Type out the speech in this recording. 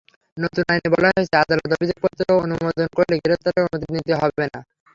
নতুন আইনে বলা হয়েছে, আদালত অভিযোগপত্র অনুমোদন করলে গ্রেপ্তারে অনুমতি নিতে হবে না।